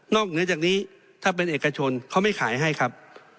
เหนือจากนี้ถ้าเป็นเอกชนเขาไม่ขายให้ครับ